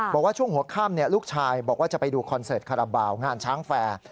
บอกว่าช่วงหัวข้ามลูกชายจะไปดูคอนเสร็จฆาระบาลงานช้างแฟร์